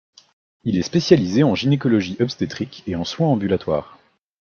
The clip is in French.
Il est spécialisé en gynécologie obstétrique et en soins ambulatoires.